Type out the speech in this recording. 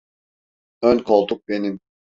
Ön koltuk benim!